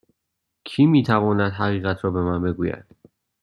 کی می تواند حقیقت را به من بگوید؟